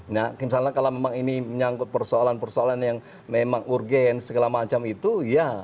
nah misalnya kalau memang ini menyangkut persoalan persoalan yang memang urgen segala macam itu ya